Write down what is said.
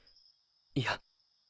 いや。